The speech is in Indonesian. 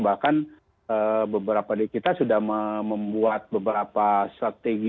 bahkan beberapa di kita sudah membuat beberapa strategi